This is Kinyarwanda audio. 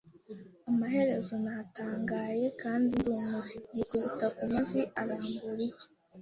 amaherezo, natangaye kandi ndumiwe, yikubita ku mavi arambura ibye